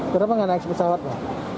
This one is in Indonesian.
kenapa nggak naik pesawat pak